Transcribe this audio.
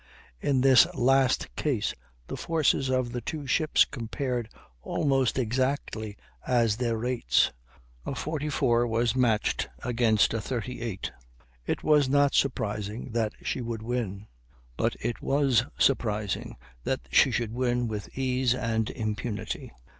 In this last case the forces of the two ships compared almost exactly as their rates. A 44 was matched against a 38; it was not surprising that she should win, but it was surprising that she should win with ease and impunity.